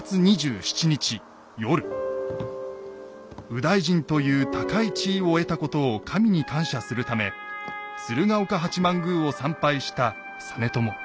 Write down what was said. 右大臣という高い地位を得たことを神に感謝するため鶴岡八幡宮を参拝した実朝。